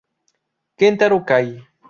Kentaro Kai